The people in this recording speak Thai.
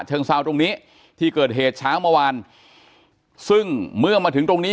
เชิงเซาตรงนี้ที่เกิดเหตุเช้าเมื่อวานซึ่งเมื่อมาถึงตรงนี้